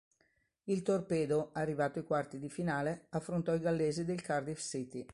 Il Torpedo, arrivato ai quarti di finale, affrontò i gallesi del Cardiff City.